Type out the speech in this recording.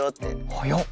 はやっ！